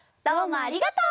ありがとう！